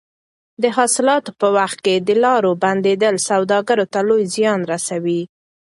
د حاصلاتو په وخت کې د لارو بندېدل سوداګرو ته لوی زیان رسوي.